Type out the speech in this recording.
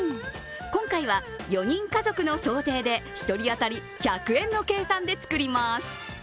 今回は４人家族の想定で１人当たり１００円の計算で作ります。